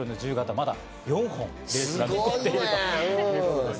まだ４本レースがあるということです。